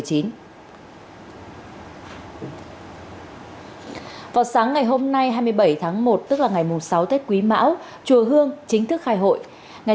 ở phòng sáng ngày hôm nay hai mươi bảy tháng một tức là ngày một mươi sáu tết quý mão chùa hương chính thức khai hội ngày